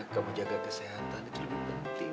kamu jaga kesehatan itu lebih penting